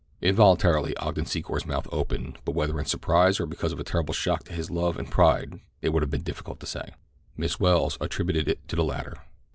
Involuntarily Ogden Secor's mouth opened but whether in surprise or because of a terrible shock to his love and pride it would have been difficult to say. Miss Welles attributed it to the latter.